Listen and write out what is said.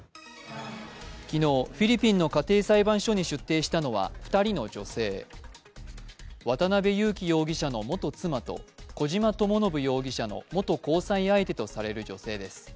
昨日、フィリピンの家庭裁判所に出廷したのは渡辺優樹容疑者の元妻と小島智信容疑者の元交際相手とされる女性です。